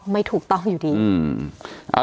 ไม่ถูกต้องอยู่ดีอืม